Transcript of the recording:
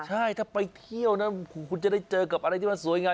ใช่ถ้าไปเที่ยวนะคุณจะได้เจอกับอะไรที่มันสวยงาม